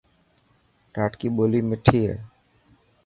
ڌاٽڪي ٻولي مٺي هي.